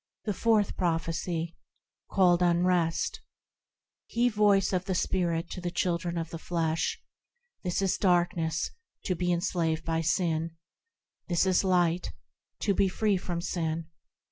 The Fourth Prophecy, called Unrest HE voice of the Spirit to the children of the flesh,– This is darkness,–to be enslaved by sin ; This is light,–to be free from sin.